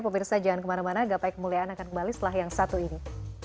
pemirsa jangan kemana mana gapai kemuliaan akan kembali setelah yang satu ini